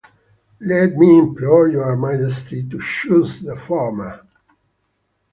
Let me implore Your Majesty to choose the former.